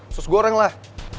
usus goreng lah